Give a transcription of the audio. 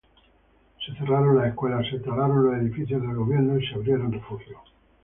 Se cerraron las escuelas, se talaron los edificios del gobierno y se abrieron refugios.